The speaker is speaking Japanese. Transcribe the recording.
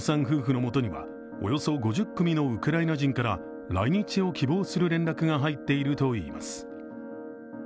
夫婦の元にはおよそ５０組のウクライナ人から来日を希望する連絡が入っているといいます。